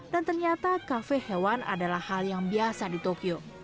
dan ternyata kafe hewan adalah hal yang biasa di tokyo